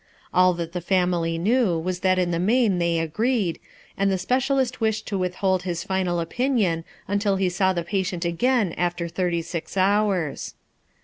AH that the family knew was that in the main they agreed and the specialist wished to withhold his final opinion until he saw the patient again after thirty six hours.